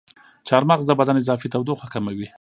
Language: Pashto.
چارمغز د بدن اضافي تودوخه کموي.